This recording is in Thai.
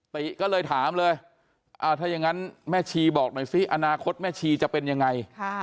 ติก็เลยถามเลยถ้าอย่างนั้นแม่ชีบอกหน่อยสิอนาคตแม่ชีจะเป็นยังไง